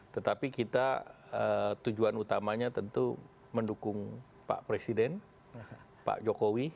tetapi kita tujuan utamanya tentu mendukung pak presiden pak jokowi